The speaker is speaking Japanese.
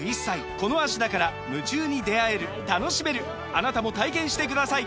あなたも体験してください！